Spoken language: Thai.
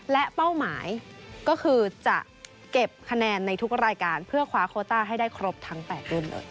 และเป้าหมายก็คือจะเก็บคะแนนในทุกรายการเพื่อคว้าโคต้าให้ได้ครบทั้ง๘รุ่นเลย